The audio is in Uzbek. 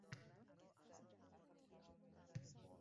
Koʻp kitob oʻqishni foydali jihatlarini tushuntirardi.